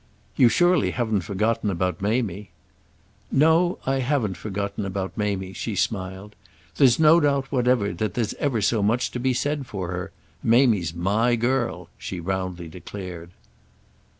"You surely haven't forgotten about Mamie!" "No, I haven't forgotten about Mamie," she smiled. "There's no doubt whatever that there's ever so much to be said for her. Mamie's my girl!" she roundly declared.